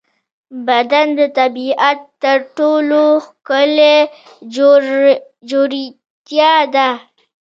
بدن د طبیعت تر ټولو ښکلی جوړڻت دی.